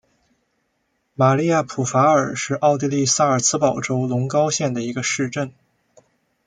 玛丽亚普法尔是奥地利萨尔茨堡州隆高县的一个市镇。